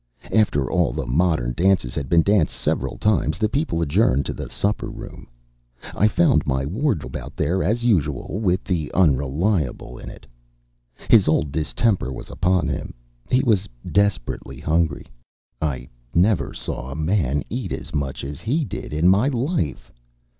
After all the modern dances had been danced several times, the people adjourned to the supper room. I found my wardrobe out there, as usual, with the Unreliable in it. His old distemper was upon him: he was desperately hungry. I never saw a man eat as much as he did in my life.